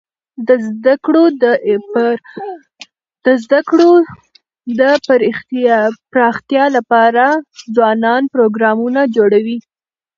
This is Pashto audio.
د زده کړو د پراختیا لپاره ځوانان پروګرامونه جوړوي.